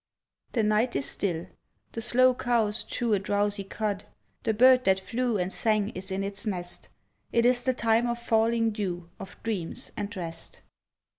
The night is still. The slow cows chew A drowsy cud. The bird that flew And sang is in its nest. It is the time of falling dew, Of dreams and rest.